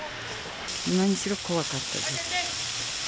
何しろ怖かったです。